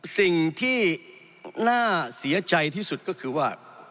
สิ่งที่น่าเสียใจที่สุดก็คือว่า